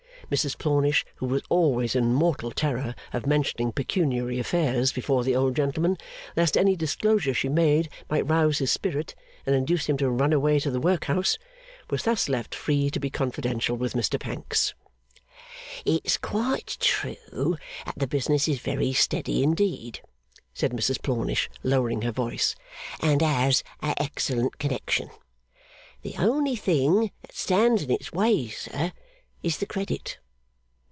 Mrs Plornish, who was always in mortal terror of mentioning pecuniary affairs before the old gentleman, lest any disclosure she made might rouse his spirit and induce him to run away to the workhouse, was thus left free to be confidential with Mr Pancks. 'It's quite true that the business is very steady indeed,' said Mrs Plornish, lowering her voice; 'and has a excellent connection. The only thing that stands in its way, sir, is the Credit.